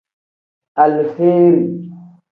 Aleheeri.